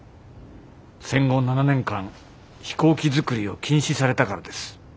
戦後７年間飛行機作りを禁止されたからです。